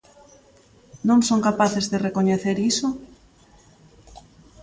¿Non son capaces de recoñecer iso?